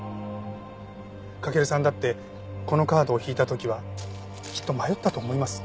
駆さんだってこのカードを引いた時はきっと迷ったと思います。